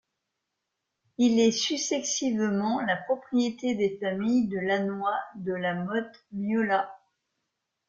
Il est successivement la propriété des familles de Lannoy, de La Mothe, Myolat.